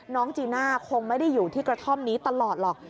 จีน่าคงไม่ได้อยู่ที่กระท่อมนี้ตลอดหรอก